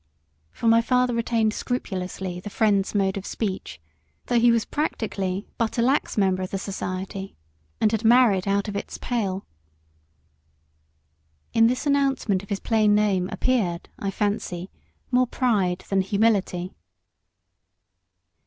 For my father retained scrupulously the Friend's mode of speech, though he was practically but a lax member of the Society, and had married out of its pale. In this announcement of his plain name appeared, I fancy, more pride than humility.